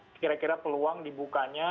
kira kira peluang dibukanya